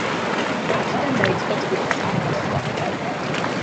აქედან დაიწყო ჯგუფის აღმასვლა.